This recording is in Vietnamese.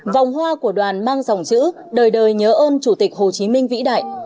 vòng hoa của đoàn mang dòng chữ đời đời nhớ ơn chủ tịch hồ chí minh vĩ đại